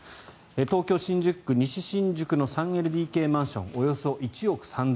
東京・新宿区西新宿の３ＬＤＫマンションおよそ１億３０００万円。